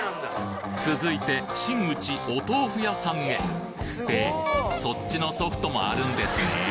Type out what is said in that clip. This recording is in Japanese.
続いて真打・お豆腐屋さんへってそっちの「ソフト」もあるんですね！